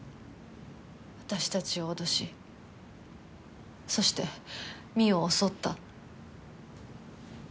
私たちを脅しそして望緒を襲った。